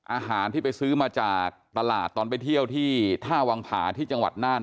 อาหารที่ไปซื้อมาจากตลาดตอนไปเที่ยวที่ท่าวังผาที่จังหวัดน่าน